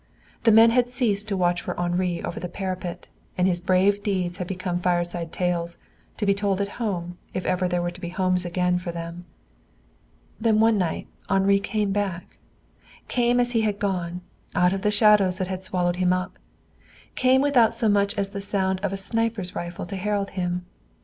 The men had ceased to watch for Henri over the parapet, and his brave deeds had become fireside tales, to be told at home, if ever there were to be homes again for them. Then one night Henri came back came as he had gone, out of the shadows that had swallowed him up; came without so much as the sound of a sniper's rifle to herald him.